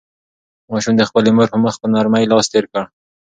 ماشوم د خپلې مور په مخ په نرمۍ لاس تېر کړ.